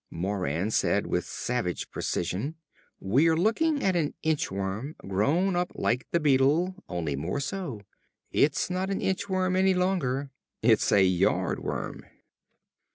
_" Moran said with savage precision; "We're looking at an inch worm, grown up like the beetles only more so. It's not an inch worm any longer. It's a yard worm."